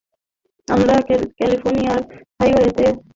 আমরা California highway পেট্রোলের সাথে কাজ করি।